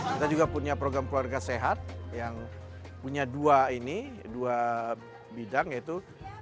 kita juga punya program keluarga sehat yang punya dua ini dua bidang yaitu